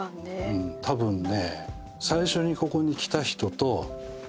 うんたぶんね。